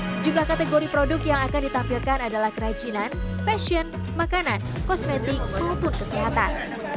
sejumlah kategori produk yang akan ditampilkan adalah kerajinan fashion makanan kosmetik maupun kesehatan